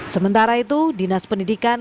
sementara itu dinas pendidikan